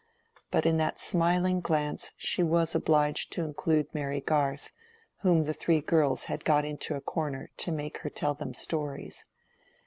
But in that smiling glance she was obliged to include Mary Garth, whom the three girls had got into a corner to make her tell them stories.